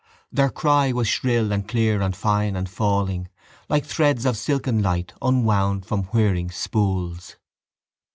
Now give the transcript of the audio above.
Their cry was shrill and clear and fine and falling like threads of silken light unwound from whirring spools.